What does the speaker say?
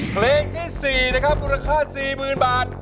เพลงที่๔นะครับมูลค่า๔๐๐๐บาท